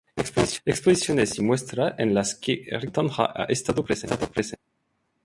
Exposiciones y muestras en las que Ricardo Santonja ha estado presente.